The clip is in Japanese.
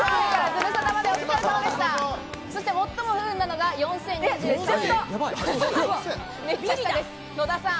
そして最も不運なのが４０２３位、野田さん。